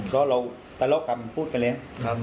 ก็เราตลกกันมันพูดไปแล้ว